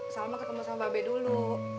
salma ketemu sama mbak be dulu